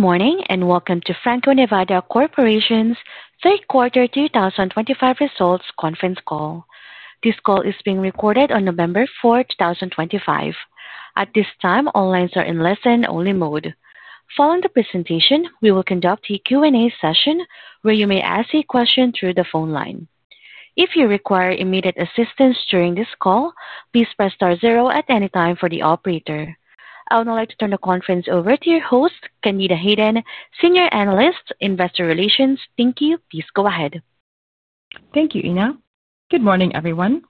Good morning and welcome to Franco-Nevada Corporation's third quarter 2025 results conference call. This call is being recorded on November 4th, 2025. At this time, all lines are in listen-only mode. Following the presentation, we will conduct a Q&A session where you may ask a question through the phone line. If you require immediate assistance during this call, please press star zero at any time for the operator. I would now like to turn the conference over to your host, Candida Hayden, Senior Analyst, Investor Relations. Thank you. Please go ahead. Thank you, Ina. Good morning, everyone.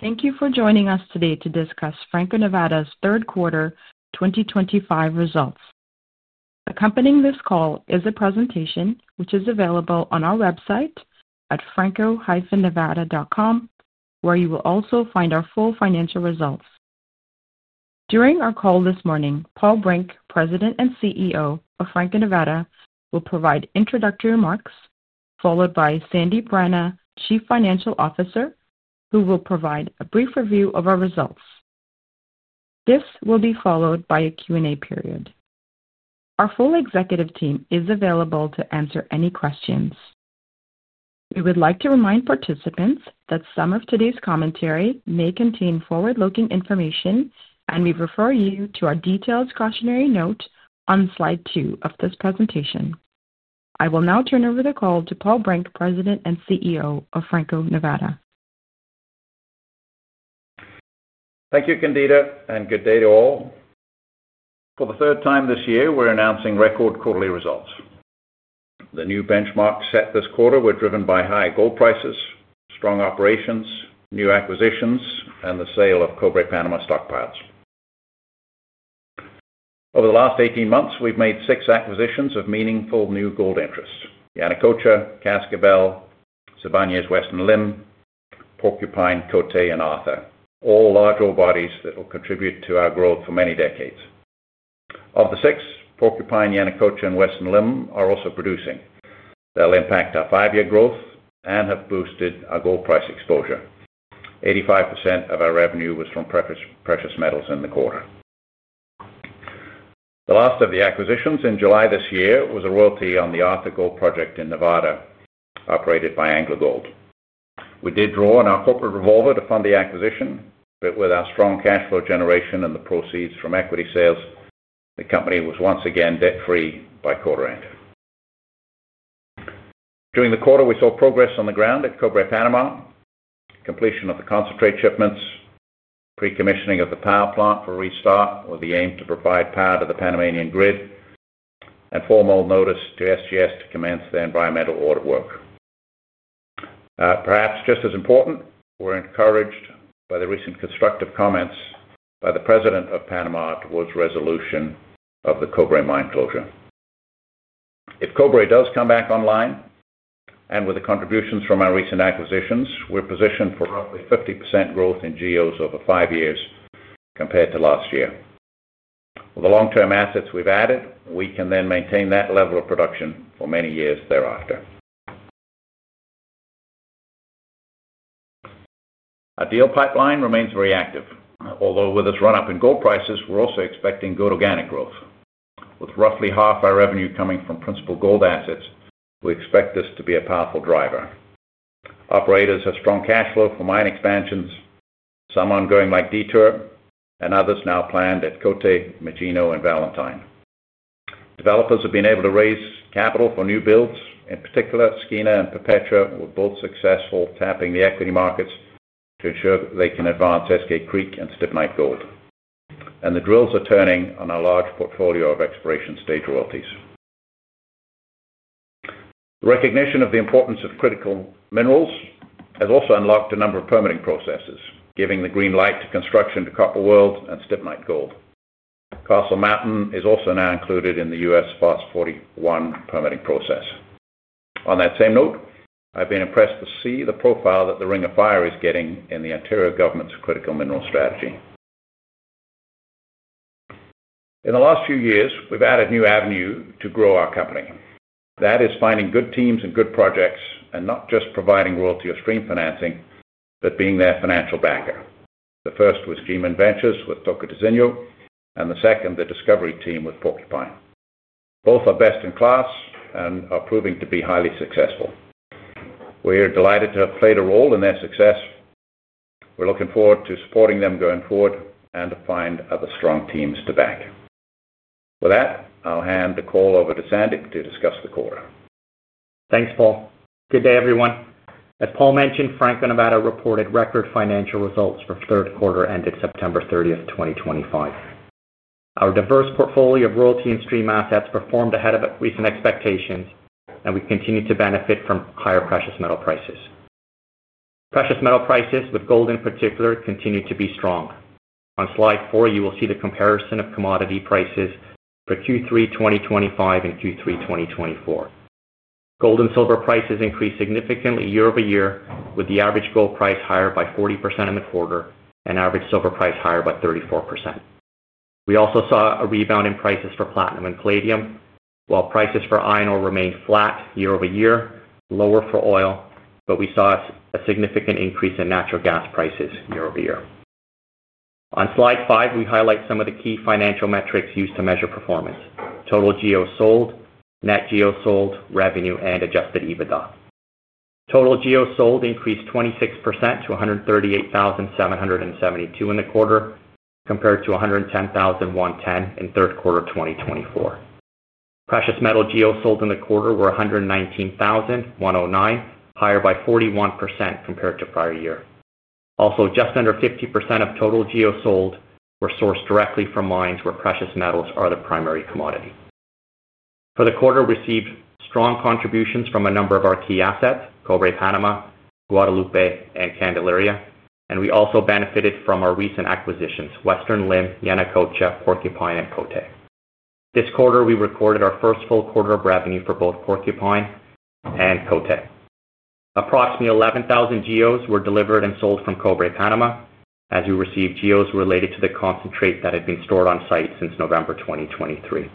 Thank you for joining us today to discuss Franco-Nevada's third quarter 2025 results. Accompanying this call is a presentation which is available on our website at franco-nevada.com, where you will also find our full financial results. During our call this morning, Paul Brink, President and CEO of Franco-Nevada, will provide introductory remarks, followed by Sandip Rana, Chief Financial Officer, who will provide a brief review of our results. This will be followed by a Q&A period. Our full executive team is available to answer any questions. We would like to remind participants that some of today's commentary may contain forward-looking information, and we refer you to our detailed cautionary note on slide two of this presentation. I will now turn over the call to Paul Brink, President and CEO of Franco-Nevada. Thank you, Candida, and good day to all. For the third time this year, we're announcing record quarterly results. The new benchmarks set this quarter were driven by high gold prices, strong operations, new acquisitions, and the sale of Cobre Panamá stockpiles. Over the last 18 months, we've made six acquisitions of meaningful new gold interests: Yanacocha, Cascabel, Sibanye's, Western Limb, Porcupine, Côté, and Arthur, all large ore bodies that will contribute to our growth for many decades. Of the six, Porcupine, Yanacocha, and Western Limb are also producing. They'll impact our five-year growth and have boosted our gold price exposure. 85% of our revenue was from precious metals in the quarter. The last of the acquisitions in July this year was a royalty on the Arthur Gold Project in Nevada, operated by AngloGold. We did draw on our corporate revolver to fund the acquisition, but with our strong cash flow generation and the proceeds from equity sales, the company was once again debt-free by quarter-end. During the quarter, we saw progress on the ground at Cobre Panamá: completion of the concentrate shipments, pre-commissioning of the power plant for restart with the aim to provide power to the Panamanian grid, and formal notice to SGS to commence their environmental audit work. Perhaps just as important, we're encouraged by the recent constructive comments by the President of Panama towards resolution of the Cobre mine closure. If Cobre does come back online, and with the contributions from our recent acquisitions, we're positioned for roughly 50% growth in GEOs over five years compared to last year. With the long-term assets we've added, we can then maintain that level of production for many years thereafter. Our deal pipeline remains very active. Although with this run-up in gold prices, we're also expecting good organic growth. With roughly half our revenue coming from principal gold assets, we expect this to be a powerful driver. Operators have strong cash flow for mine expansions, some ongoing like Detour, and others now planned at Côté, Magino, and Valentine. Developers have been able to raise capital for new builds, in particular, Skeena and Perpetua, who were both successful tapping the equity markets to ensure that they can advance Eskay Creek and Stibnite Gold, and the drills are turning on our large portfolio of exploration stage royalties. The recognition of the importance of critical minerals has also unlocked a number of permitting processes, giving the green light to construction to Copper World and Stibnite Gold. Castle Mountain is also now included in the U.S. FAST-41 permitting process. On that same note, I've been impressed to see the profile that the Ring of Fire is getting in the Ontario government's critical mineral strategy. In the last few years, we've added new avenues to grow our company. That is finding good teams and good projects and not just providing royalty or stream financing, but being their financial backer. The first was GMIN Ventures with Tocantinzinho, and the second, Discovery team with Porcupine. Both are best in class and are proving to be highly successful. We're delighted to have played a role in their success. We're looking forward to supporting them going forward and to find other strong teams to back. With that, I'll hand the call over to Sandip to discuss the quarter. Thanks, Paul. Good day, everyone. As Paul mentioned, Franco-Nevada reported record financial results for third quarter ended September 30th, 2025. Our diverse portfolio of royalty and stream assets performed ahead of recent expectations, and we continue to benefit from higher precious metal prices. Precious metal prices, with gold in particular, continue to be strong. On slide four, you will see the comparison of commodity prices for Q3 2025 and Q3 2024. Gold and silver prices increased significantly year-over-year, with the average gold price higher by 40% in the quarter and average silver price higher by 34%. We also saw a rebound in prices for platinum and palladium, while prices for iron ore remained flat year-over-year, lower for oil, but we saw a significant increase in natural gas prices year-over-year. On slide five, we highlight some of the key financial metrics used to measure performance: total GEOs sold, net GEOs sold, revenue, and adjusted EBITDA. Total GEOs sold increased 26% to 138,772 in the quarter, compared to 110,110 in third quarter 2024. Precious metal GEOs sold in the quarter were 119,109, higher by 41% compared to prior year. Also, just under 50% of total GEOs sold were sourced directly from mines where precious metals are the primary commodity. For the quarter, we received strong contributions from a number of our key assets: Cobre Panamá, Guadalupe, and Candelaria, and we also benefited from our recent acquisitions: Western Limb, Yanacocha, Porcupine, and Côté. This quarter, we recorded our first full quarter of revenue for both Porcupine and Côté. Approximately 11,000 GEOs were delivered and sold from Cobre Panamá, as we received GEOs related to the concentrate that had been stored on site since November 2023.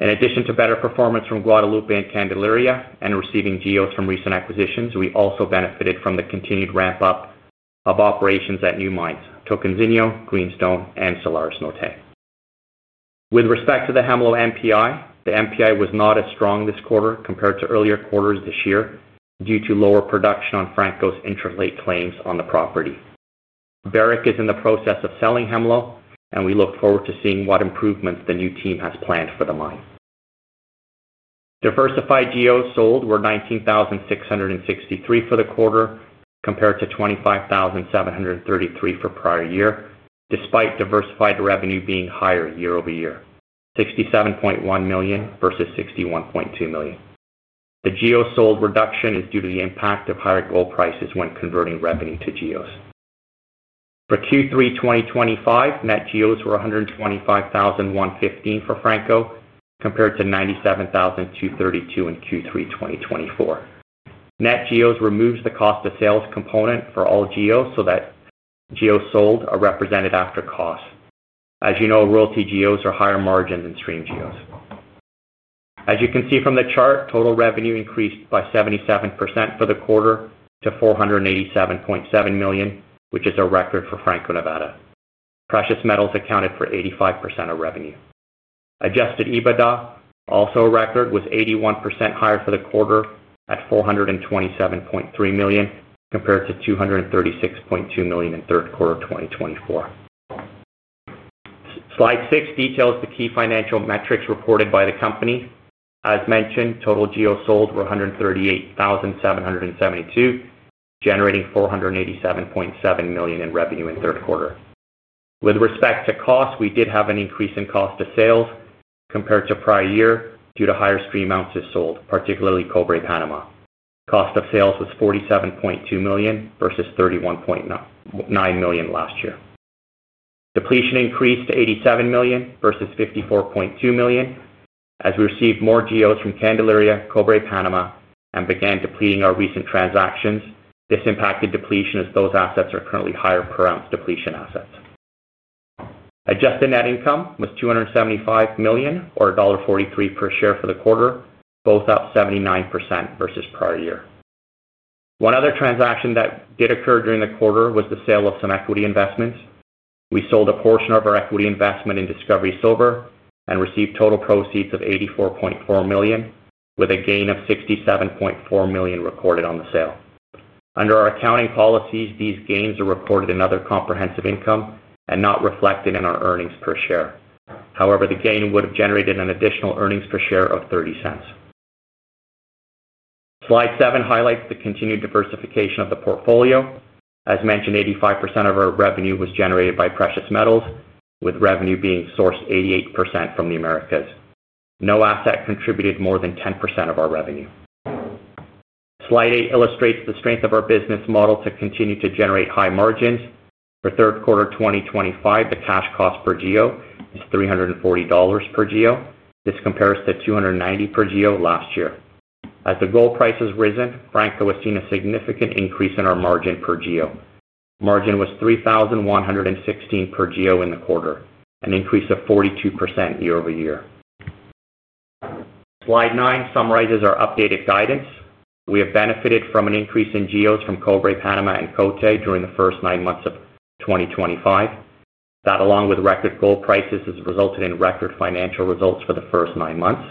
In addition to better performance from Guadalupe and Candelaria and receiving GEOs from recent acquisitions, we also benefited from the continued ramp-up of operations at new mines: Tocantinzinho, Greenstone, and SolGold. With respect to the Hemlo NPI, the NPI was not as strong this quarter compared to earlier quarters this year due to lower production on Franco's interlaced claims on the property. Barrick is in the process of selling Hemlo, and we look forward to seeing what improvements the new team has planned for the mine. Diversified GEOs sold were 19,663 for the quarter, compared to 25,733 for prior year, despite diversified revenue being higher year-over-year: $67.1 million versus $61.2 million. The GEOs sold reduction is due to the impact of higher gold prices when converting revenue to GEOs. For Q3 2025, net GEOs were 125,115 for Franco compared to 97,232 in Q3 2024. Net GEOs removes the cost of sales component for all GEOs so that GEOs sold are represented after cost. As you know, royalty GEOs are higher margin than stream GEOs. As you can see from the chart, total revenue increased by 77% for the quarter to $487.7 million, which is a record for Franco-Nevada. Precious metals accounted for 85% of revenue. Adjusted EBITDA, also a record, was 81% higher for the quarter at $427.3 million compared to $236.2 million in third quarter 2024. Slide six details the key financial metrics reported by the company. As mentioned, total GEOs sold were 138,772, generating $487.7 million in revenue in third quarter. With respect to cost, we did have an increase in cost of sales compared to prior year due to higher stream ounces sold, particularly Cobre Panamá. Cost of sales was $47.2 million versus $31.9 million last year. Depletion increased to $87 million versus $54.2 million as we received more GEOs from Candelaria, Cobre Panamá, and began depleting our recent transactions. This impacted depletion as those assets are currently higher per ounce depletion assets. Adjusted net income was $275 million, or $1.43 per share for the quarter, both up 79% versus prior year. One other transaction that did occur during the quarter was the sale of some equity investments. We sold a portion of our equity investment in Discovery Silver and received total proceeds of $84.4 million, with a gain of $67.4 million recorded on the sale. Under our accounting policies, these gains are recorded in other comprehensive income and not reflected in our earnings per share. However, the gain would have generated an additional earnings per share of $0.30. Slide seven highlights the continued diversification of the portfolio. As mentioned, 85% of our revenue was generated by precious metals, with revenue being sourced 88% from the Americas. No asset contributed more than 10% of our revenue. Slide eight illustrates the strength of our business model to continue to generate high margins. For third quarter 2025, the cash cost per GEO is $340 per GEO. This compares to $290 per GEO last year. As the gold price has risen, Franco has seen a significant increase in our margin per GEO. Margin was $3,116 per GEO in the quarter, an increase of 42% year-over-year. Slide nine summarizes our updated guidance. We have benefited from an increase in GEOs from Cobre Panamá and Côté during the first nine months of 2025. That, along with record gold prices, has resulted in record financial results for the first nine months.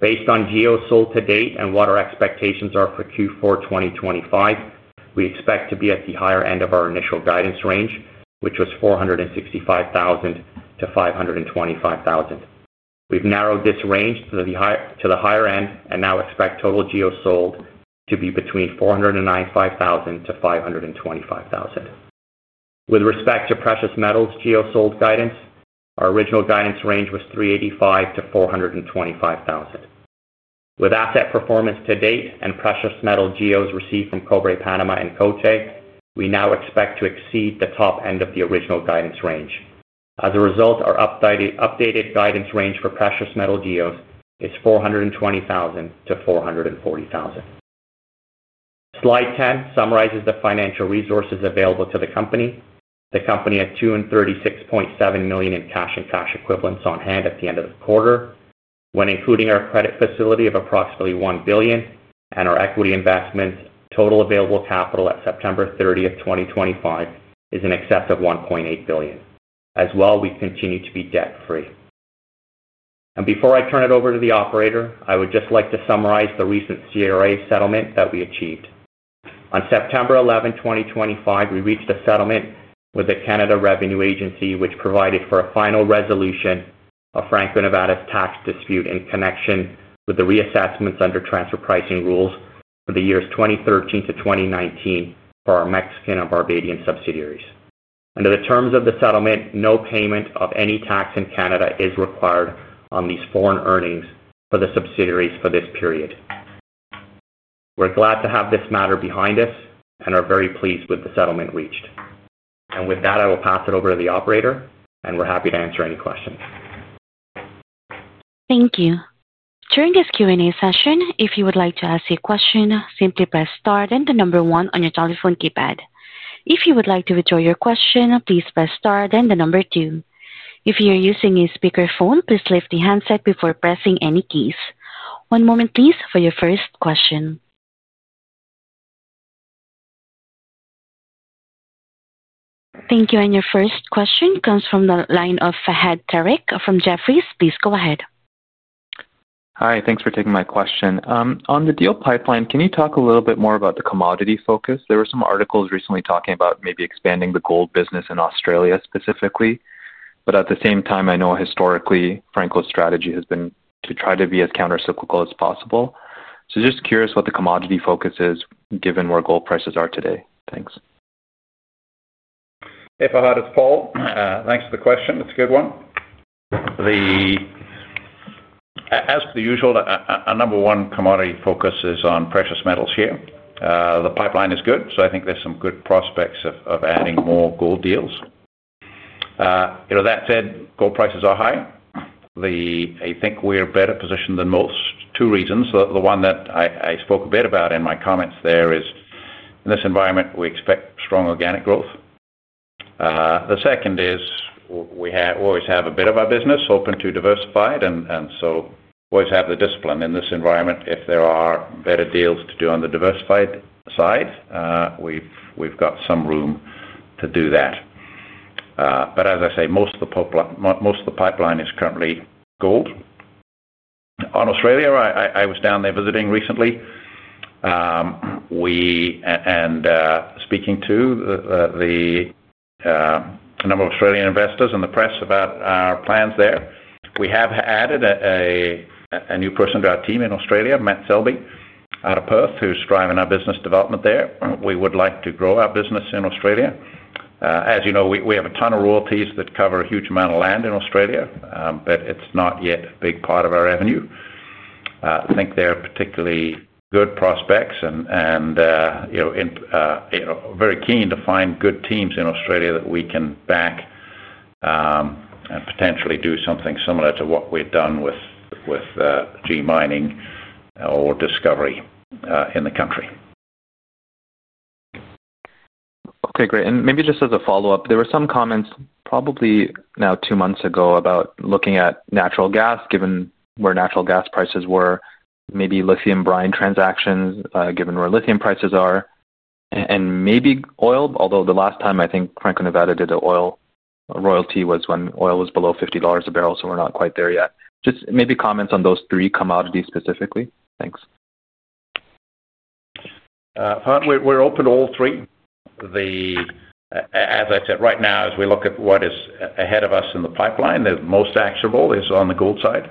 Based on GEOs sold to date and what our expectations are for Q4 2025, we expect to be at the higher end of our initial guidance range, which was 465,000-525,000. We've narrowed this range to the higher end and now expect total GEOs sold to be between 495,000-525,000. With respect to precious metals GEOs sold guidance, our original guidance range was 385,000-425,000. With asset performance to date and precious metal GEOs received from Cobre Panamá and Côté, we now expect to exceed the top end of the original guidance range. As a result, our updated guidance range for precious metal GEOs is 420,000-440,000. Slide 10 summarizes the financial resources available to the company. The company had $236.7 million in cash and cash equivalents on hand at the end of the quarter. When including our credit facility of approximately $1 billion and our equity investment, total available capital at September 30th, 2025, is an excess of $1.8 billion. As well, we continue to be debt-free, and before I turn it over to the operator, I would just like to summarize the recent CRA settlement that we achieved. On September 11th, 2025, we reached a settlement with the Canada Revenue Agency, which provided for a final resolution of Franco-Nevada's tax dispute in connection with the reassessments under transfer pricing rules for the years 2013 to 2019 for our Mexican and Barbadian subsidiaries. Under the terms of the settlement, no payment of any tax in Canada is required on these foreign earnings for the subsidiaries for this period. We're glad to have this matter behind us and are very pleased with the settlement reached, and with that, I will pass it over to the operator, and we're happy to answer any questions. Thank you. During this Q&A session, if you would like to ask a question, simply press star and the number one on your telephone keypad. If you would like to withdraw your question, please press star and the number two. If you're using a speakerphone, please lift the handset before pressing any keys. One moment, please, for your first question. Thank you. And your first question comes from the line of Fahad Tariq from Jefferies. Please go ahead. Hi. Thanks for taking my question. On the deal pipeline, can you talk a little bit more about the commodity focus? There were some articles recently talking about maybe expanding the gold business in Australia specifically. But at the same time, I know historically Franco's strategy has been to try to be as countercyclical as possible. So just curious what the commodity focus is given where gold prices are today. Thanks. Hi, Fahad, it's Paul, thanks for the question. It's a good one. As per usual, our number one commodity focus is on precious metals here. The pipeline is good, so I think there's some good prospects of adding more gold deals. That said, gold prices are high. I think we're better positioned than most. Two reasons. The one that I spoke a bit about in my comments there is, in this environment, we expect strong organic growth. The second is we always have a bit of our business open to diversified, and so always have the discipline in this environment. If there are better deals to do on the diversified side, we've got some room to do that. But as I say, most of the pipeline is currently gold. On Australia, I was down there visiting recently and speaking to the number of Australian investors and the press about our plans there, we have added a new person to our team in Australia, Matt Selby, out of Perth, who's driving our business development there. We would like to grow our business in Australia. As you know, we have a ton of royalties that cover a huge amount of land in Australia, but it's not yet a big part of our revenue. I think they're particularly good prospects and very keen to find good teams in Australia that we can back and potentially do something similar to what we've done with G Mining or Discovery in the country. Okay. Great. And maybe just as a follow-up, there were some comments probably now two months ago about looking at natural gas, given where natural gas prices were, maybe lithium brine transactions, given where lithium prices are, and maybe oil. Although the last time I think Franco-Nevada did the oil royalty was when oil was below $50 a barrel, so we're not quite there yet. Just maybe comments on those three commodities specifically. Thanks. We're open to all three. As I said, right now, as we look at what is ahead of us in the pipeline, the most actionable is on the gold side.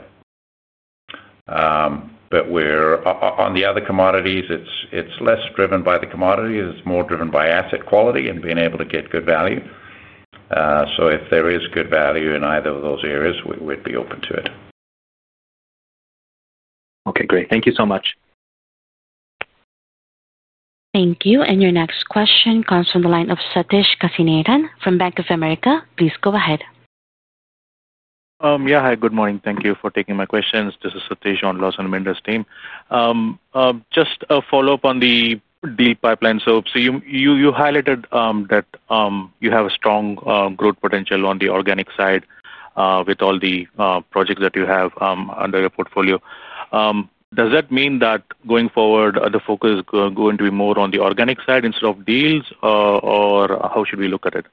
But on the other commodities, it's less driven by the commodity. It's more driven by asset quality and being able to get good value. So if there is good value in either of those areas, we'd be open to it. Okay. Great. Thank you so much. Thank you. And your next question comes from the line of Sathish Kasinathan from Bank of America. Please go ahead. Yeah. Hi. Good morning. Thank you for taking my questions. This is Sathish on Lawson Mendes team. Just a follow-up on the deal pipeline. So you highlighted that you have a strong growth potential on the organic side with all the projects that you have under your portfolio. Does that mean that going forward, the focus is going to be more on the organic side instead of deals, or how should we look at it?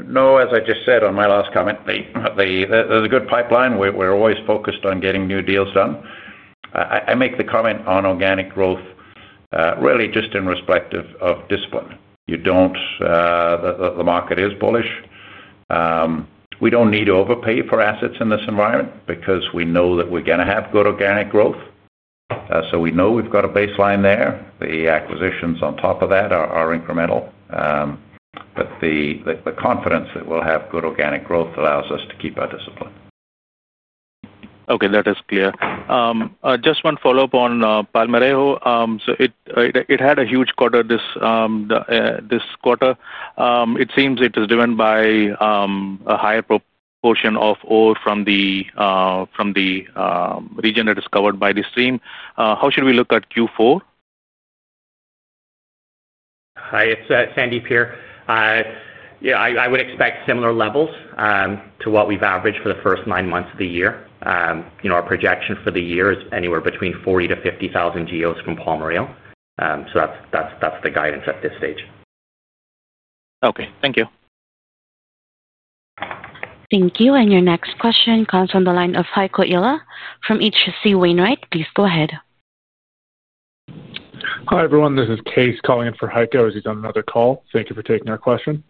No. As I just said on my last comment, there's a good pipeline. We're always focused on getting new deals done. I make the comment on organic growth really just in respect of discipline. The market is bullish. We don't need to overpay for assets in this environment because we know that we're going to have good organic growth. So we know we've got a baseline there. The acquisitions on top of that are incremental. But the confidence that we'll have good organic growth allows us to keep our discipline. Okay. That is clear. Just one follow-up on Palmarejo. So it had a huge quarter. This quarter, it seems it was driven by a higher proportion of ore from the region that is covered by the stream. How should we look at Q4? Hi. It's Sandip here. Yeah. I would expect similar levels to what we've averaged for the first nine months of the year. Our projection for the year is anywhere between 40,000-50,000 GEOs from Palmarejo. So that's the guidance at this stage. Okay. Thank you. Thank you. And your next question comes from the line of Heiko Ihle from H.C. Wainwright. Please go ahead. Hi, everyone. This is Case calling in for Heiko as he's on another call. Thank you for taking our question.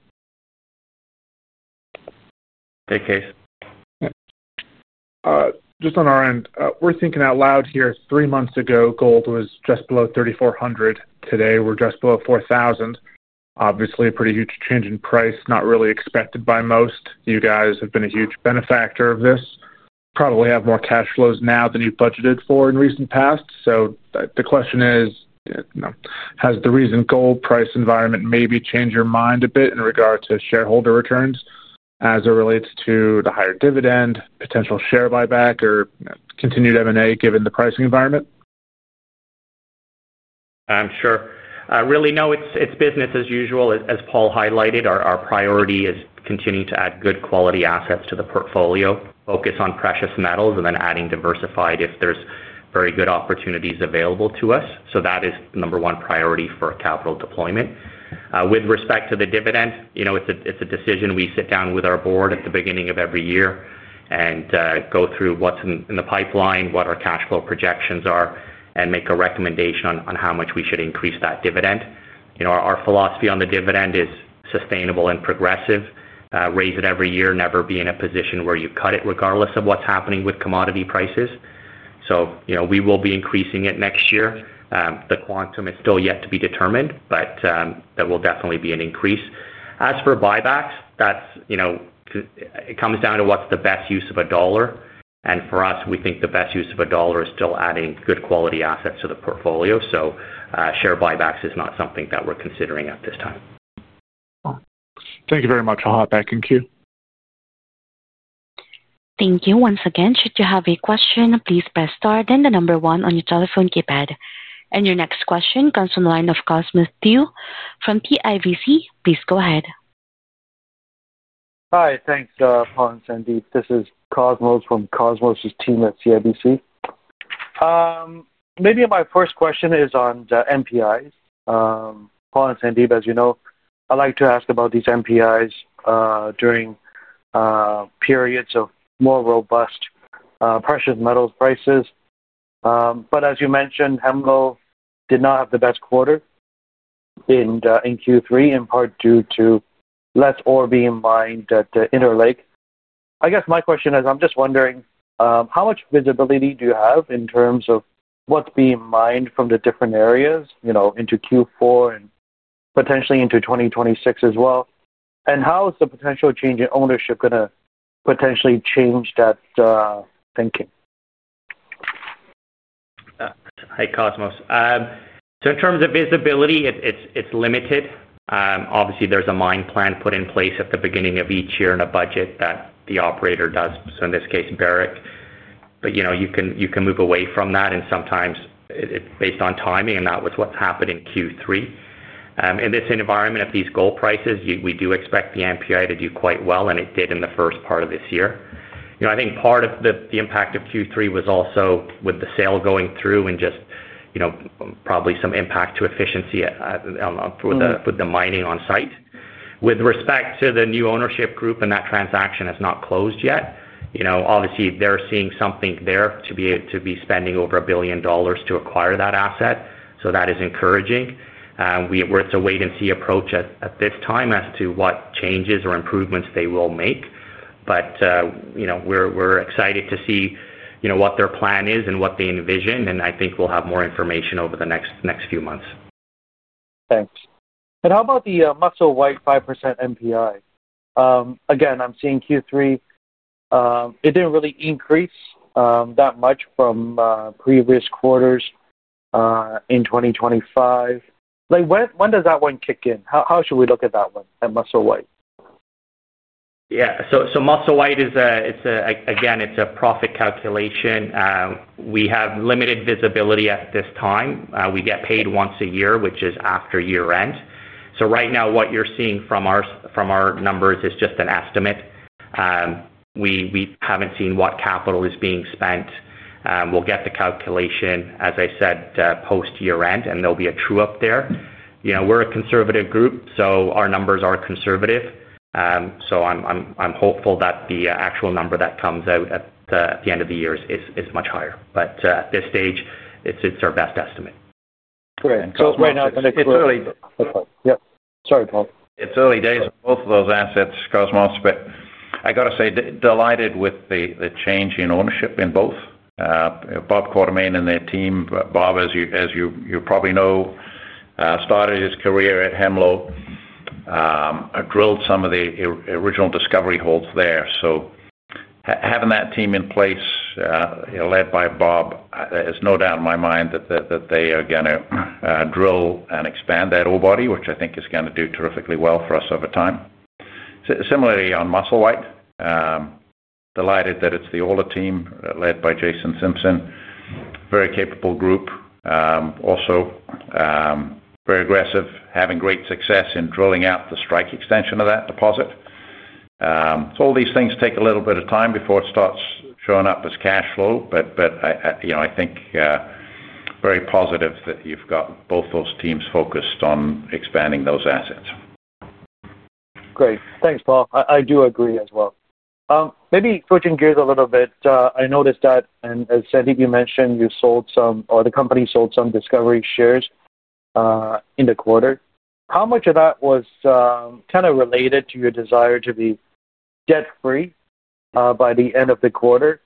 Hey, Case. Yeah. Just on our end, we're thinking out loud here. Three months ago, gold was just below $3,400. Today, we're just below $4,000. Obviously, a pretty huge change in price, not really expected by most. You guys have been a huge benefactor of this. Probably have more cash flows now than you've budgeted for in recent past. So the question is. Has the recent gold price environment maybe changed your mind a bit in regard to shareholder returns as it relates to the higher dividend, potential share buyback, or continued M&A given the pricing environment? I'm sure. Really, no. It's business as usual, as Paul highlighted. Our priority is continuing to add good quality assets to the portfolio, focus on precious metals, and then adding diversified if there's very good opportunities available to us. So that is the number one priority for capital deployment. With respect to the dividend, it's a decision we sit down with our board at the beginning of every year and go through what's in the pipeline, what our cash flow projections are, and make a recommendation on how much we should increase that dividend. Our philosophy on the dividend is sustainable and progressive. Raise it every year, never be in a position where you cut it regardless of what's happening with commodity prices. So we will be increasing it next year. The quantum is still yet to be determined, but there will definitely be an increase. As for buybacks, it comes down to what's the best use of a dollar, and for us, we think the best use of a dollar is still adding good quality assets to the portfolio. So share buybacks is not something that we're considering at this time. Thank you very much. I'll hop back in queue. Thank you. Once again, should you have a question, please press star and the number one on your telephone keypad. And your next question comes from the line of Cosmos Chiu from CIBC. Please go ahead. Hi. Thanks, Paul and Sandip. This is Cosmos from Cosmos' team at CIBC. Maybe my first question is on the NPIs. Paul and Sandip, as you know, I'd like to ask about these NPIs during periods of more robust precious metals prices. But as you mentioned, Hemlo did not have the best quarter in Q3, in part due to less ore being mined at the Interlake. I guess my question is, I'm just wondering, how much visibility do you have in terms of what's being mined from the different areas into Q4 and potentially into 2026 as well? And how is the potential change in ownership going to potentially change that. Thinking? Hi, Cosmos. So in terms of visibility, it's limited. Obviously, there's a mine plan put in place at the beginning of each year and a budget that the operator does, so in this case, Barrick. But you can move away from that. And sometimes, it's based on timing, and that was what's happened in Q3. In this environment, at these gold prices, we do expect the NPI to do quite well, and it did in the first part of this year. I think part of the impact of Q3 was also with the sale going through and just probably some impact to efficiency with the mining on site. With respect to the new ownership group and that transaction has not closed yet. Obviously, they're seeing something there to be spending over $1 billion to acquire that asset. So that is encouraging. It's a wait-and-see approach at this time as to what changes or improvements they will make. But we're excited to see what their plan is and what they envision. And I think we'll have more information over the next few months. Thanks. And how about the Musselwhite 5% NPI? Again, I'm seeing Q3. It didn't really increase that much from previous quarters in 2025. When does that one kick in? How should we look at that one, that Musselwhite? Yeah. So Musselwhite, again, it's a profit calculation. We have limited visibility at this time. We get paid once a year, which is after year-end. So right now, what you're seeing from our numbers is just an estimate. We haven't seen what capital is being spent. We'll get the calculation, as I said, post-year-end, and there'll be a true-up there. We're a conservative group, so our numbers are conservative. So I'm hopeful that the actual number that comes out at the end of the year is much higher. But at this stage, it's our best estimate. Great. So right now, it's early. Yeah. Sorry, Paul. It's early days on both of those assets, Cosmos, but I got to say, delighted with the change in ownership in both. Bob Quartermain and their team, Bob, as you probably know, started his career at Hemlo, drilled some of the original discovery holes there. So, having that team in place, led by Bob, there's no doubt in my mind that they are going to drill and expand that ore body, which I think is going to do terrifically well for us over time. Similarly, on Musselwhite, delighted that it's the older team led by Jason Simpson. Very capable group. Also, very aggressive, having great success in drilling out the strike extension of that deposit. So all these things take a little bit of time before it starts showing up as cash flow, but I think very positive that you've got both those teams focused on expanding those assets. Great. Thanks, Paul. I do agree as well. Maybe switching gears a little bit, I noticed that, and as Sandip mentioned, you sold some or the company sold some Discovery shares. In the quarter. How much of that was kind of related to your desire to be debt-free by the end of the quarter,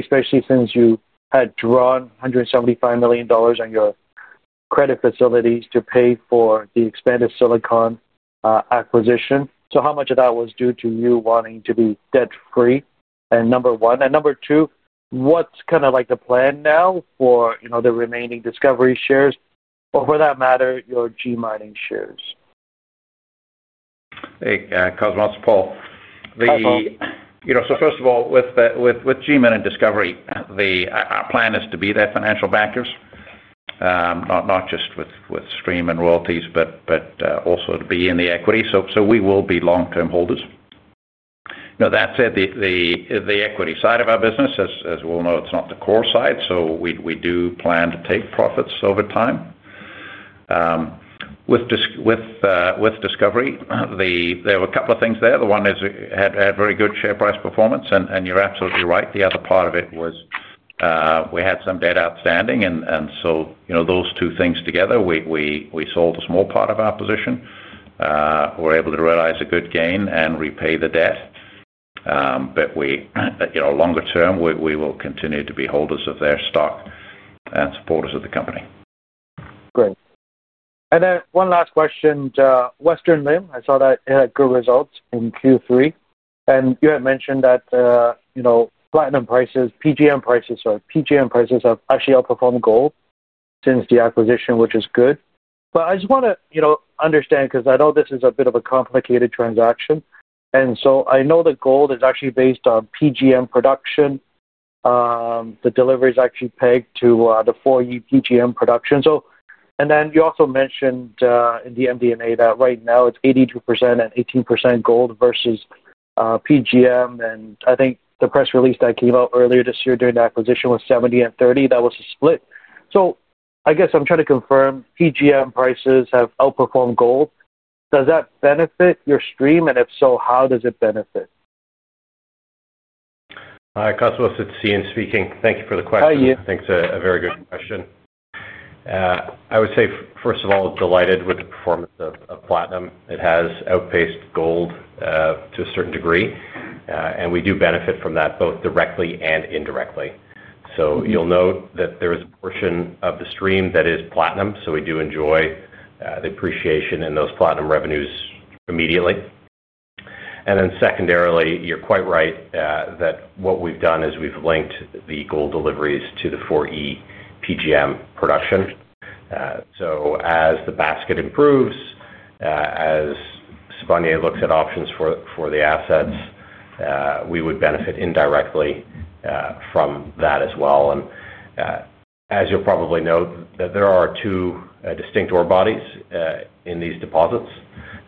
especially since you had drawn $175 million on your credit facilities to pay for the Expanded Silicon acquisition? So how much of that was due to you wanting to be debt-free? And number one. And number two, what's kind of like the plan now for the remaining Discovery shares or, for that matter, your G Mining shares? Hey, Cosmos, Paul. So first of all, with G Mining, Discovery, our plan is to be their financial backers. Not just with stream and royalties, but also to be in the equity. So we will be long-term holders. That said, the equity side of our business, as we'll know, it's not the core side. So we do plan to take profits over time. With Discovery, there were a couple of things there. The one is it had very good share price performance, and you're absolutely right. The other part of it was we had some debt outstanding. And so those two things together, we sold a small part of our position. Were able to realize a good gain and repay the debt. But longer term, we will continue to be holders of their stock. And supporters of the company. Great. And then one last question. Western Limb, I saw that it had good results in Q3. And you had mentioned that. Platinum prices, PGM prices, sorry, PGM prices have actually outperformed gold since the acquisition, which is good. But I just want to understand because I know this is a bit of a complicated transaction. And so I know that gold is actually based on PGM production. The delivery is actually pegged to the four-year PGM production. And then you also mentioned in the MD&A that right now it's 82% and 18% gold versus PGM. And I think the press release that came out earlier this year during the acquisition was 70% and 30%. That was a split. So I guess I'm trying to confirm PGM prices have outperformed gold. Does that benefit your stream? And if so, how does it benefit? Hi, Cosmos it's Eaun speaking. Thank you for the question. Hi, Eaun. I think it's a very good question. I would say, first of all, delighted with the performance of platinum. It has outpaced gold to a certain degree. And we do benefit from that both directly and indirectly. So you'll note that there is a portion of the stream that is platinum. So we do enjoy the appreciation in those platinum revenues immediately. And then secondarily, you're quite right that what we've done is we've linked the gold deliveries to the four-year PGM production. So as the basket improves, as Sibanye looks at options for the assets, we would benefit indirectly from that as well. As you'll probably note, there are two distinct ore bodies in these deposits,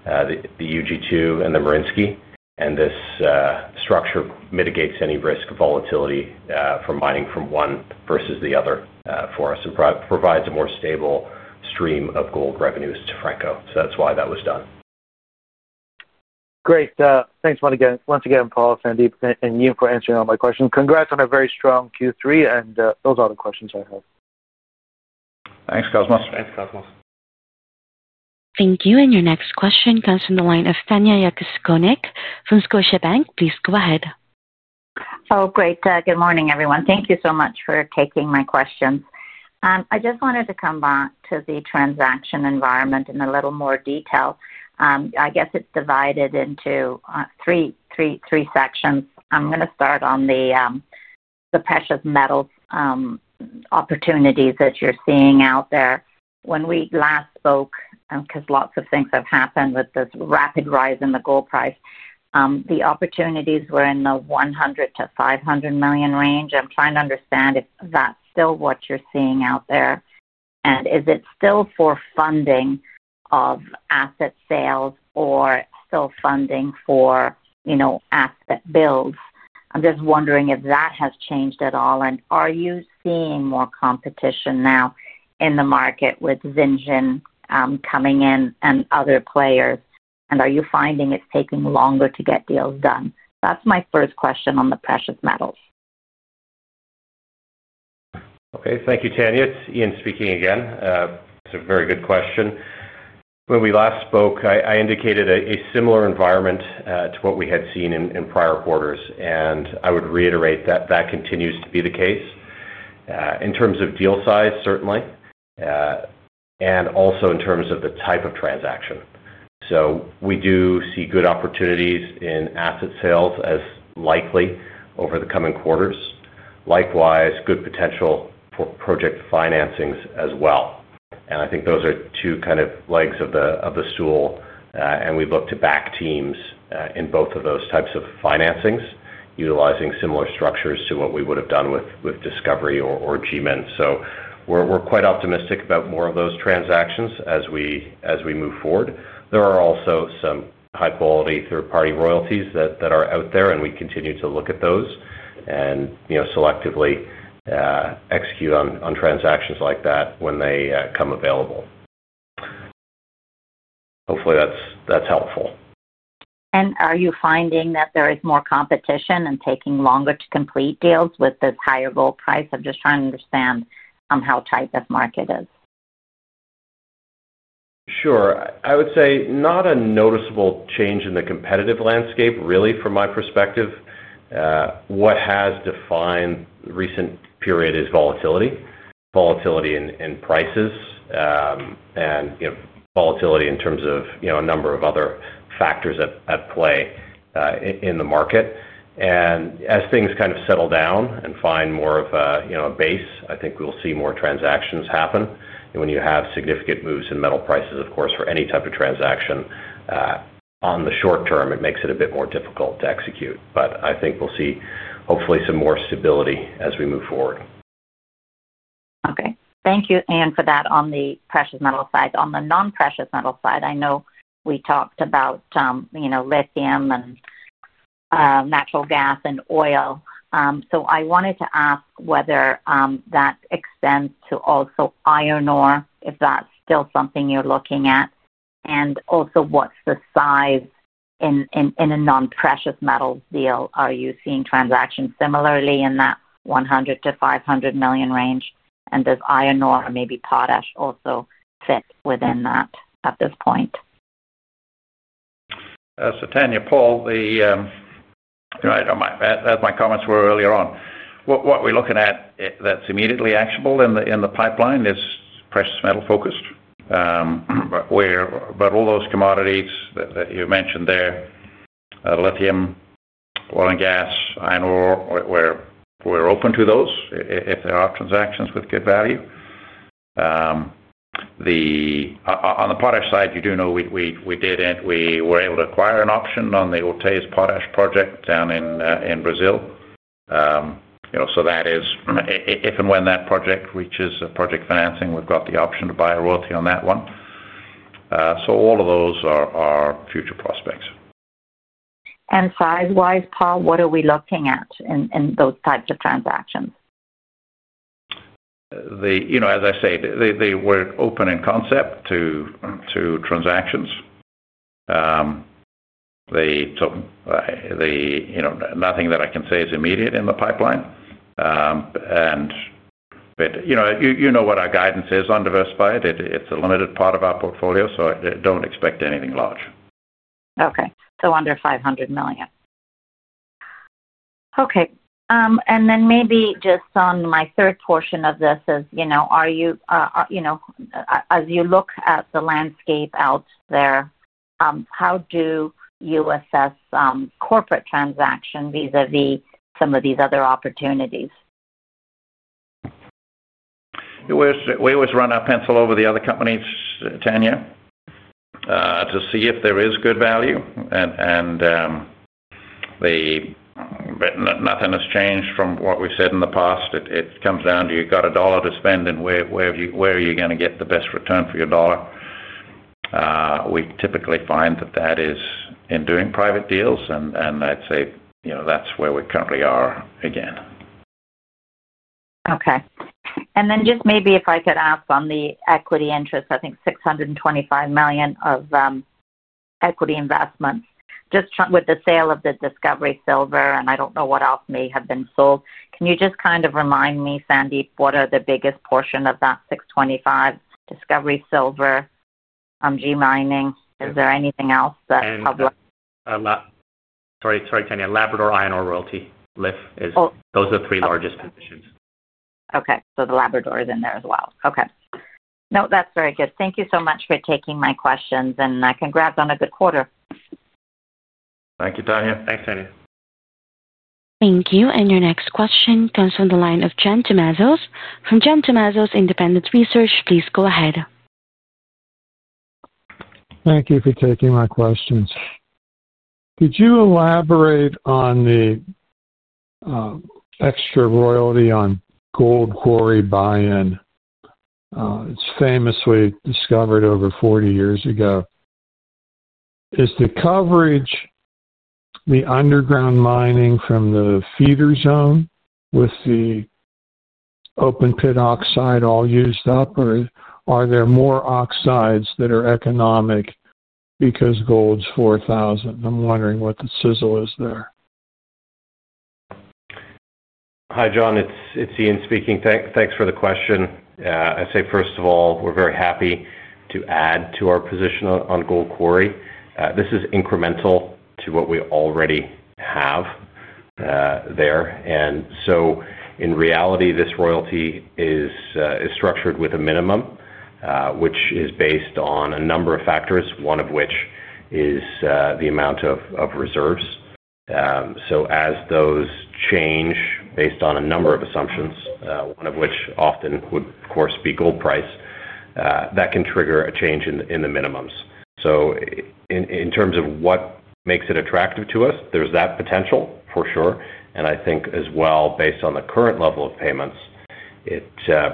the UG2 and the Merensky. And this structure mitigates any risk of volatility from mining from one versus the other for us and provides a more stable stream of gold revenues to Franco. So that's why that was done. Great. Thanks once again, Paul, Sandip, and Eaun for answering all my questions. Congrats on a very strong Q3. And those are the questions I have. Thanks, Cosmos. Thanks, Cosmos. Thank you, and your next question comes from the line of Tanya Jakusconek from Scotiabank. Please go ahead. Oh, great. Good morning, everyone. Thank you so much for taking my questions. I just wanted to come back to the transaction environment in a little more detail. I guess it's divided into three sections. I'm going to start on the precious metals opportunities that you're seeing out there. When we last spoke, because lots of things have happened with this rapid rise in the gold price, the opportunities were in the $100 million-$500 million range. I'm trying to understand if that's still what you're seeing out there. And is it still for funding of asset sales or still funding for asset builds? I'm just wondering if that has changed at all. And are you seeing more competition now in the market with Vengeance coming in and other players? And are you finding it's taking longer to get deals done? That's my first question on the precious metals. Okay. Thank you, Tanya. It's Eaun speaking again. It's a very good question. When we last spoke, I indicated a similar environment to what we had seen in prior quarters. And I would reiterate that that continues to be the case. In terms of deal size, certainly. And also in terms of the type of transaction. So we do see good opportunities in asset sales as likely over the coming quarters. Likewise, good potential for project financings as well. And I think those are two kind of legs of the stool. And we look to back teams in both of those types of financings, utilizing similar structures to what we would have done with Discovery or GMIN. So we're quite optimistic about more of those transactions as we move forward. There are also some high-quality third-party royalties that are out there, and we continue to look at those and selectively execute on transactions like that when they come available. Hopefully, that's helpful. Are you finding that there is more competition and taking longer to complete deals with this higher gold price? I'm just trying to understand how tight this market is. Sure. I would say not a noticeable change in the competitive landscape, really, from my perspective. What has defined the recent period is volatility. Volatility in prices. And volatility in terms of a number of other factors at play. In the market. And as things kind of settle down and find more of a base, I think we'll see more transactions happen. And when you have significant moves in metal prices, of course, for any type of transaction. On the short term, it makes it a bit more difficult to execute. But I think we'll see, hopefully, some more stability as we move forward. Okay. Thank you, Eaun, for that on the precious metal side. On the non-precious metal side, I know we talked about lithium and natural gas and oil. So I wanted to ask whether that extends to also iron ore, if that's still something you're looking at. And also, what's the size in a non-precious metals deal? Are you seeing transactions similarly in that $100 million-$500 million range? And does iron ore or maybe potash also fit within that at this point? So, Tanya, Paul. That's my comments were earlier on. What we're looking at that's immediately actionable in the pipeline is precious metal-focused. But all those commodities that you mentioned there, lithium, oil and gas, iron ore, we're open to those if there are transactions with good value. On the potash side, you do know we were able to acquire an option on the Autazes Potash Project down in Brazil. So that is, if and when that project reaches project financing, we've got the option to buy a royalty on that one. So all of those are future prospects. Size-wise, Paul, what are we looking at in those types of transactions? As I say, we're open in concept to transactions. Nothing that I can say is immediate in the pipeline, and you know what our guidance is on diversified. It's a limited part of our portfolio, so don't expect anything large. Okay. So under $500 million. Okay. And then maybe just on my third portion of this is, are you. As you look at the landscape out there, how do you assess corporate transaction vis-à-vis some of these other opportunities? We always run our pencil over the other companies, Tanya, to see if there is good value. And nothing has changed from what we've said in the past. It comes down to you've got a dollar to spend, and where are you going to get the best return for your dollar? We typically find that that is in doing private deals. And I'd say that's where we currently are again. Okay. And then just maybe if I could ask on the equity interest, I think $625 million of equity investments, just with the sale of the Discovery Silver, and I don't know what else may have been sold. Can you just kind of remind me, Sandip, what are the biggest portion of that $625 Discovery Silver on G Mining? Is there anything else that's public? Sorry, Tanya, Labrador Iron Ore Royalty, LIF, those are the three largest positions. Okay. So the Labrador is in there as well. Okay. No, that's very good. Thank you so much for taking my questions, and congrats on a good quarter. Thank you, Tanya. Thanks, Tanya. Thank you, and your next question comes from the line of John Tumazos. From John Tumazos Independent Research. Please go ahead. Thank you for taking my questions. Could you elaborate on the extra royalty on Gold Quarry buy-in. It's famously discovered over 40 years ago. Is the coverage the underground mining from the feeder zone with the open pit oxide all used up? Or are there more oxides that are economic because gold's $4,000? I'm wondering what the sizzle is there. Hi, John. It's Eaun speaking. Thanks for the question. I say, first of all, we're very happy to add to our position on Gold Quarry. This is incremental to what we already have there. And so, in reality, this royalty is structured with a minimum, which is based on a number of factors, one of which is the amount of reserves. So as those change based on a number of assumptions, one of which often would, of course, be gold price, that can trigger a change in the minimums. So in terms of what makes it attractive to us, there's that potential, for sure. And I think, as well, based on the current level of payments, it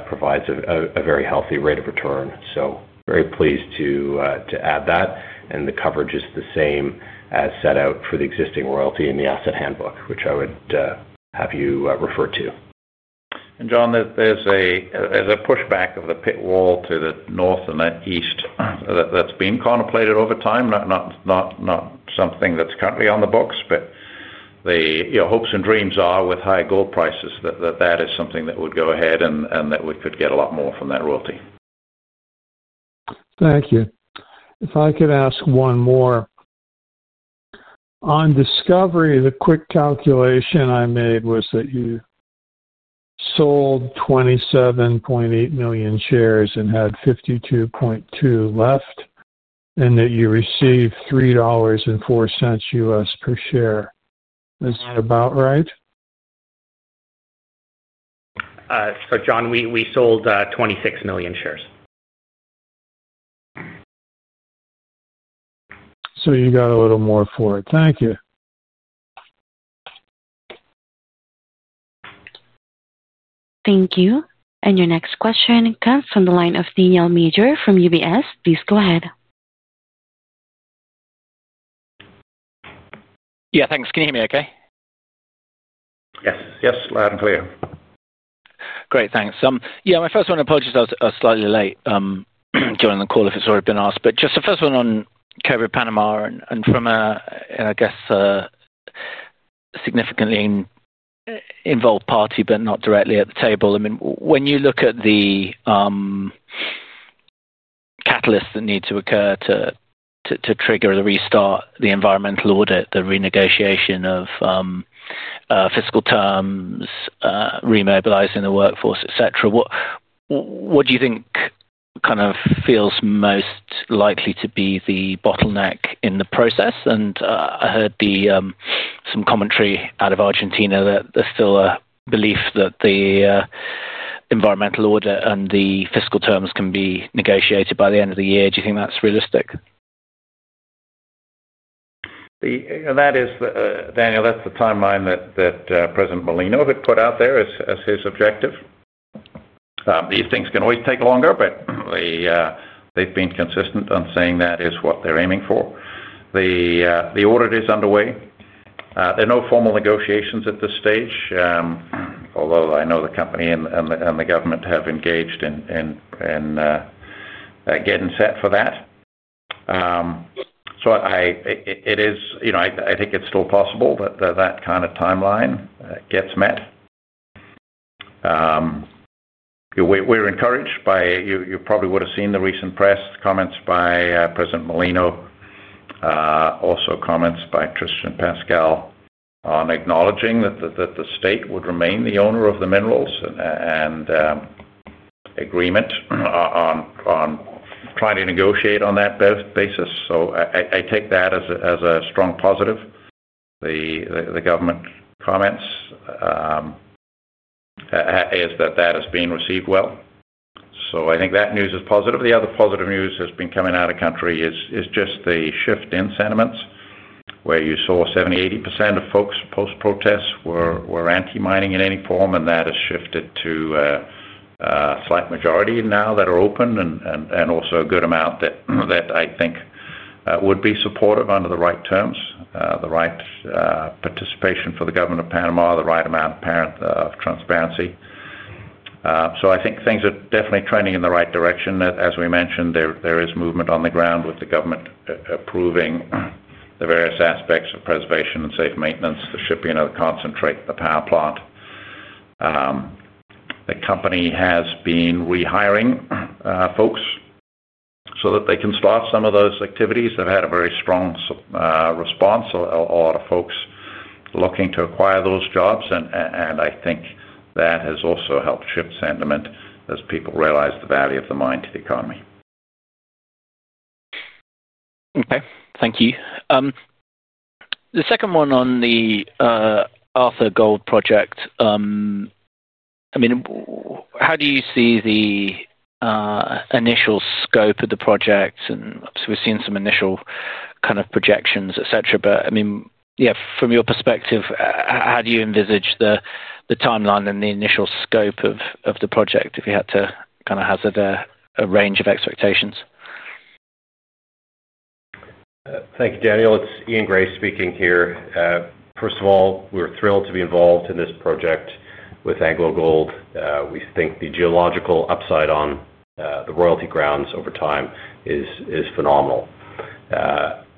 provides a very healthy rate of return. So very pleased to add that. And the coverage is the same as set out for the existing royalty in the asset handbook, which I would have you refer to. And John, there's a pushback of the pit wall to the north and to the east that's been contemplated over time, not something that's currently on the books. But your hopes and dreams are with high gold prices that that is something that would go ahead and that we could get a lot more from that royalty. Thank you. If I could ask one more. On Discovery, the quick calculation I made was that you sold 27.8 million shares and had 52.2 million left, and that you received $3.04 per share. Is that about right? So, John, we sold 26 million shares. So you got a little more for it. Thank you. Thank you. And your next question comes from the line of Daniel Major from UBS. Please go ahead. Yeah, thanks. Can you hear me okay? Yes. Yes. Loud and clear. Great. Thanks. Yeah, my first one, apologies, I was slightly late. Joining the call if it's already been asked. But just the first one on Cobre Panamá and from a, I guess, significantly involved party but not directly at the table. I mean, when you look at the catalysts that need to occur to trigger the restart, the environmental audit, the renegotiation of fiscal terms, remobilizing the workforce, etc., what do you think kind of feels most likely to be the bottleneck in the process? And I heard some commentary out of Argentina that there's still a belief that the environmental audit and the fiscal terms can be negotiated by the end of the year. Do you think that's realistic? Daniel, that's the timeline that President Mulino had put out there as his objective. These things can always take longer, but they've been consistent on saying that is what they're aiming for. The audit is underway. There are no formal negotiations at this stage. Although I know the company and the government have engaged in getting set for that. I think it's still possible that that kind of timeline gets met. We're encouraged by—you probably would have seen the recent press comments by President Mulino. Also comments by Tristan Pascall on acknowledging that the state would remain the owner of the minerals and agreement on trying to negotiate on that basis. So I take that as a strong positive. The government comments is that that has been received well. So I think that news is positive. The other positive news that's been coming out of the country is just the shift in sentiments where you saw 70%-80% of folks post-protest were anti-mining in any form, and that has shifted to a slight majority now that are open and also a good amount that I think would be supportive under the right terms, the right participation for the government of Panama, the right amount of transparency. So I think things are definitely trending in the right direction. As we mentioned, there is movement on the ground with the government approving the various aspects of preservation and safe maintenance, the shipping of the concentrate, the power plant. The company has been rehiring folks. So that they can start some of those activities. They've had a very strong response, a lot of folks looking to acquire those jobs. And I think that has also helped shift sentiment as people realize the value of the mine to the economy. Okay. Thank you. The second one on the Arthur Gold Project. I mean, how do you see the initial scope of the project? And obviously, we've seen some initial kind of projections, etc., but I mean, yeah, from your perspective, how do you envisage the timeline and the initial scope of the project if you had to kind of hazard a range of expectations? Thank you, Daniel. It's Eaun Gray speaking here. First of all, we're thrilled to be involved in this project with AngloGold. We think the geological upside on the royalty grounds over time is phenomenal.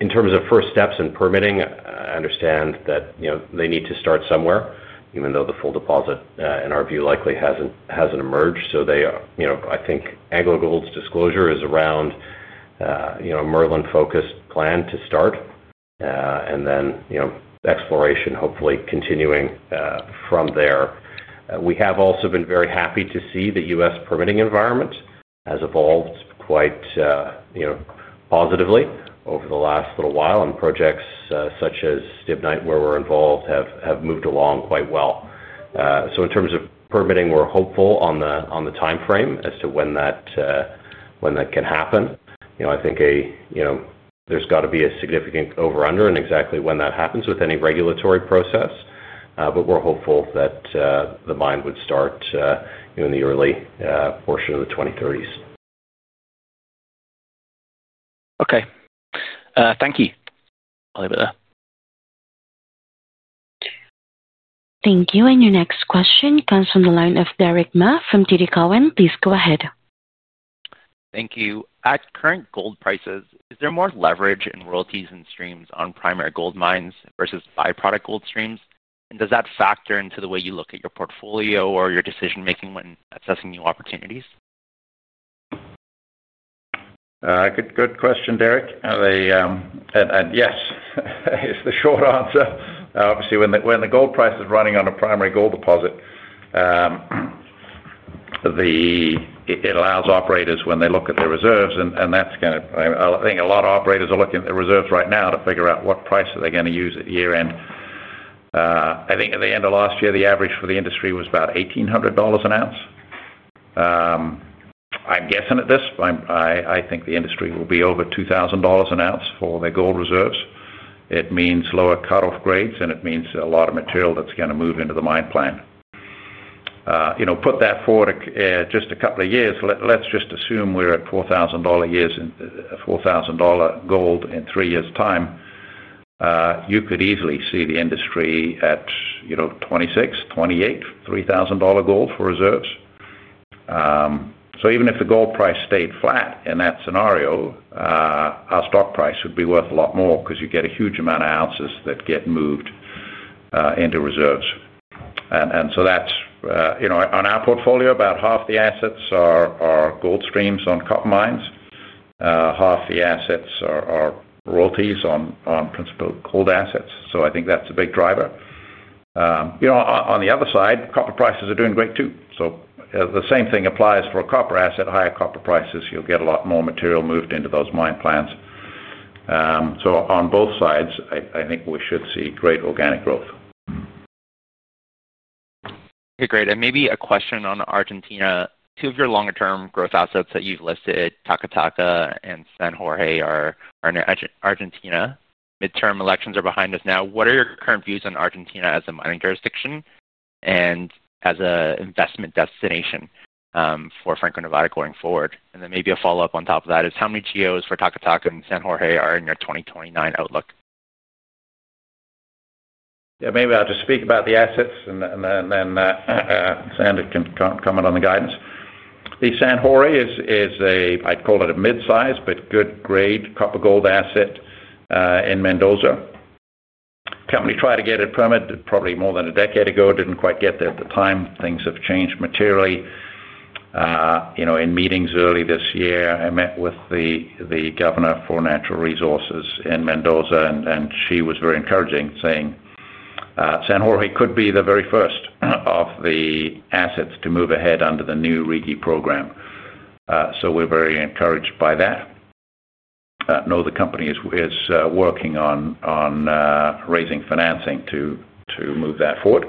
In terms of first steps in permitting, I understand that they need to start somewhere, even though the full deposit, in our view, likely hasn't emerged. So I think AngloGold's disclosure is around a Merlin-focused plan to start. And then exploration, hopefully, continuing from there. We have also been very happy to see the U.S. permitting environment has evolved quite positively over the last little while, and projects such as Stibnite, where we're involved, have moved along quite well. So in terms of permitting, we're hopeful on the timeframe as to when that can happen. I think there's got to be a significant over-under and exactly when that happens with any regulatory process. But we're hopeful that the mine would start in the early portion of the 2030s. Okay. Thank you. I'll leave it there. Thank you. And your next question comes from the line of Derick Ma from TD Cowen. Please go ahead. Thank you. At current gold prices, is there more leverage in royalties and streams on primary gold mines versus byproduct gold streams? And does that factor into the way you look at your portfolio or your decision-making when assessing new opportunities? Good question, Derick. Yes. It's the short answer. Obviously, when the gold price is running on a primary gold deposit, it allows operators when they look at their reserves, and that's going to. I think a lot of operators are looking at their reserves right now to figure out what price they're going to use at year-end. I think at the end of last year, the average for the industry was about $1,800 an ounce. I'm guessing at this, but I think the industry will be over $2,000 an ounce for their gold reserves. It means lower cut-off grades, and it means a lot of material that's going to move into the mine plan. Put that forward just a couple of years, let's just assume we're at $4,000 gold in three years' time. You could easily see the industry at $2,600, $2,800, $3,000 gold for reserves. So even if the gold price stayed flat in that scenario. Our stock price would be worth a lot more because you get a huge amount of ounces that get moved into reserves. And so that's. On our portfolio, about half the assets are gold streams on copper mines. Half the assets are royalties on primary gold assets. So I think that's a big driver. On the other side, copper prices are doing great too. So the same thing applies for a copper asset. Higher copper prices, you'll get a lot more material moved into those mine plans. So on both sides, I think we should see great organic growth. Okay. Great. And maybe a question on Argentina. Two of your longer-term growth assets that you've listed, Taca Taca and San Jorge, are in Argentina. Midterm elections are behind us now. What are your current views on Argentina as a mining jurisdiction and as an investment destination for Franco-Nevada going forward? And then maybe a follow-up on top of that is how many GEOs for Taca Taca and San Jorge are in your 2029 outlook? Yeah. Maybe I'll just speak about the assets, and then Sandip can comment on the guidance. The San Jorge is a, I'd call it a mid-size but good-grade copper gold asset in Mendoza. Company tried to get it permitted probably more than a decade ago. Didn't quite get there at the time. Things have changed materially. In meetings early this year, I met with the governor for natural resources in Mendoza, and she was very encouraging, saying, "San Jorge could be the very first of the assets to move ahead under the new RIGI program." So we're very encouraged by that, I know the company is working on raising financing to move that forward.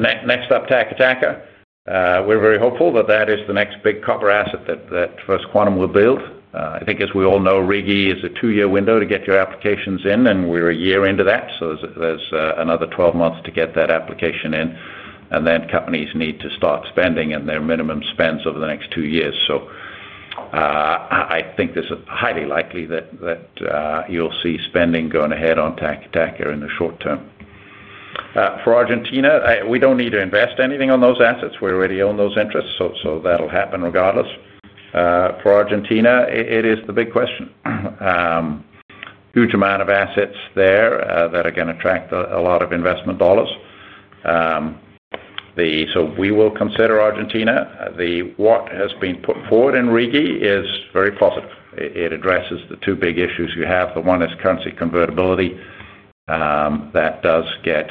Next up, Taca Taca. We're very hopeful that that is the next big copper asset that First Quantum will build. I think, as we all know, RIGI is a two-year window to get your applications in, and we're a year into that, so there's another 12 months to get that application in. And then companies need to start spending in their minimum spends over the next two years, so I think it's highly likely that you'll see spending going ahead on Taca Taca in the short term. For Argentina, we don't need to invest anything on those assets. We already own those interests, so that'll happen regardless. For Argentina, it is the big question. Huge amount of assets there that are going to attract a lot of investment dollars, so we will consider Argentina. What has been put forward in RIGI is very positive. It addresses the two big issues you have. The one is currency convertibility. That does get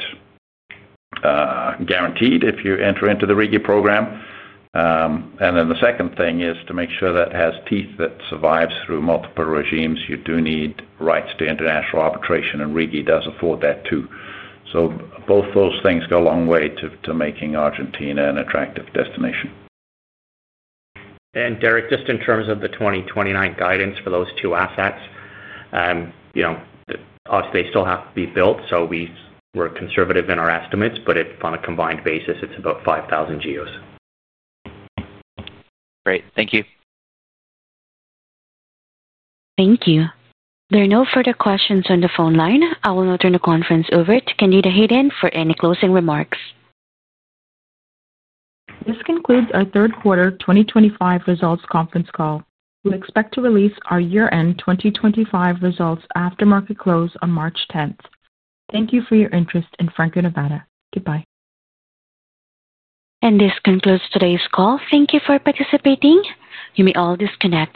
guaranteed if you enter into the RIGI program. And then the second thing is to make sure that has teeth that survives through multiple regimes. You do need rights to international arbitration, and RIGI does afford that too. So both those things go a long way to making Argentina an attractive destination. Derick, just in terms of the 2029 guidance for those two assets. Obviously, they still have to be built, so we were conservative in our estimates, but on a combined basis, it's about 5,000 GEOs. Great. Thank you. Thank you. There are no further questions on the phone line. I will now turn the conference over to Candida Hayden for any closing remarks. This concludes our third quarter 2025 results conference call. We expect to release our year-end 2025 results after market close on March 10th. Thank you for your interest in Franco-Nevada. Goodbye. This concludes today's call. Thank you for participating. You may all disconnect.